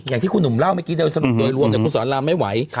อย่างที่คุณหนุ่มเล่าเมื่อกี้โดยสรุปโดยรวมคุณสอนรามไม่ไหว